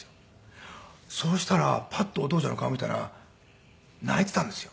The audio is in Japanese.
そうしたらパッてお父ちゃんの顔見たら泣いていたんですよ。